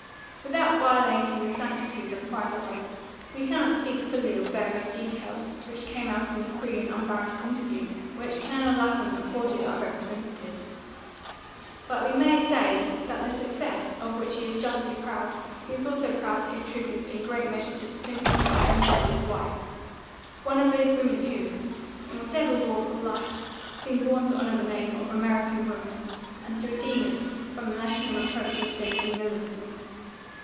Without violating the sanctities of private life, we cannot speak fully of various details which came out in the free and unembarrassed interview which Colonel Lapham accorded our representative. But we may say that the success of which he is justly proud he is also proud to attribute in great measure to the sympathy and energy of his wife one of those women who, in whatever walk of life, seem born to honour the name of American Woman, and to redeem it from the national reproach of Daisy Millerism.